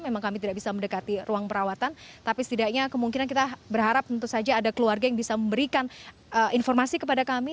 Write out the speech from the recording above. memang kami tidak bisa mendekati ruang perawatan tapi setidaknya kemungkinan kita berharap tentu saja ada keluarga yang bisa memberikan informasi kepada kami